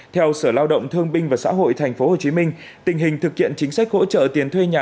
theo sở lao động thương binh và xã hội thành phố hồ chí minh tình hình thực hiện chính sách hỗ trợ tiền thuê nhà